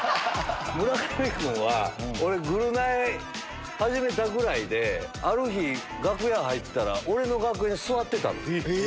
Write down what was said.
村上君は、俺、ぐるナイ始めたぐらいで、ある日、楽屋入ったら、俺の楽屋に座ってた。